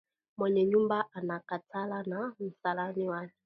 Mwenye nyumba anakatala na msalani wake